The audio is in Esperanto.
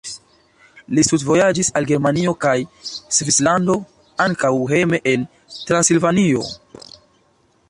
Li studvojaĝis al Germanio kaj Svislando, ankaŭ hejme en Transilvanio.